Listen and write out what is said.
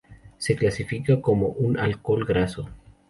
Se clasifica como un alcohol graso.